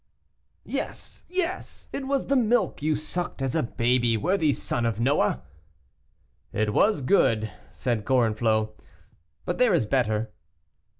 "Yes, yes, it was the milk you sucked as a baby, worthy son of Noah." "It was good," said Gorenflot, "but there is better."